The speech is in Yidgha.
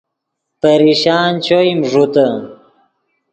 پریشان چوئیم ݱوتے